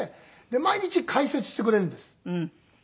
で毎日解説してくれるんです。